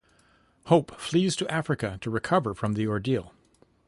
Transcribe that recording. Hope flees to Africa to recover from the ordeal.